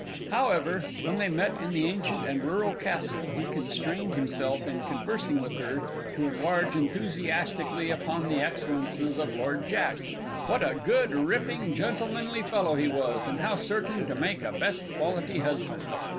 However, when they met in the ancient and rural castle he constrained himself, in conversing with her, to enlarge enthusiastically upon the excellences of Lord Jack. "What a good, ripping, gentlemanly fellow he was, and how certain to make a best quality husband!"